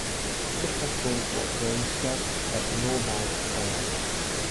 Tickets are sold for Waynestock but no bands arrive.